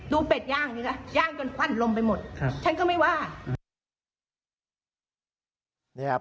เป็ดย่างสิคะย่างจนควั่นลมไปหมดฉันก็ไม่ว่า